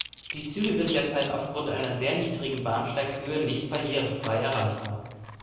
Die Züge sind derzeit aufgrund einer sehr niedrigen Bahnsteighöhe nicht barrierefrei erreichbar.